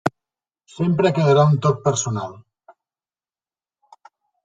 Sempre quedarà un toc personal.